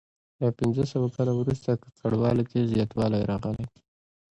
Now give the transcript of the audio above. له پنځه سوه کال وروسته ککړوالي کې زیاتوالی راغلی.